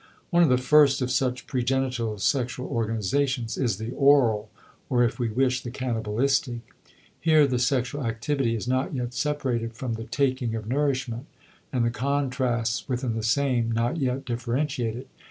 One of the first of such pregenital sexual organizations is the oral, or if we wish, the cannibalistic. Here the sexual activity is not yet separated from the taking of nourishment, and the contrasts within the same not yet differentiated.